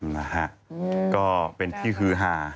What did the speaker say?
นะฮะก็เป็นที่ฮือฮา